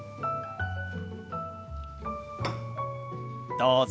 どうぞ。